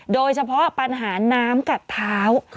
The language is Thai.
โดยเฉพาะปัญหาน้ำกัดเท้า